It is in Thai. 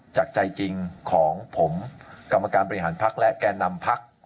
จากใจจริงของผมกรรมการบริหารพักและแก่นำพัก